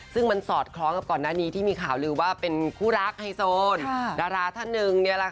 ซึ่งมันสอดคล้องกับก่อนหน้านี้ที่มีข่าวลือว่าเป็นคู่รักไฮโซนดาราท่านหนึ่ง